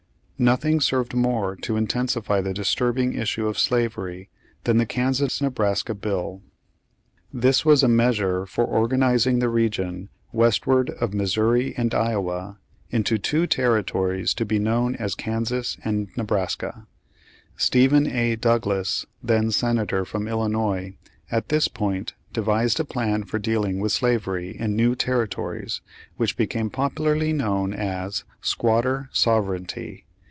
Nothing served more to intensify the disturb ing issue of slavery than the Kansas Nebraska Page Nineteen bill. This was a measure for organizing the region westward of Missouri and Iowa, into two territories to be known as Kansas and Nebraska. Stephen A. Douglas, then Senator from Illinois, at this point devised a plan for dealing with slavery in new territories which became popularly known as "squatter sovereignty."